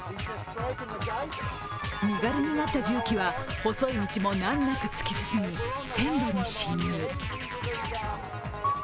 身軽になった重機は細い道も難なく突き進み線路に侵入。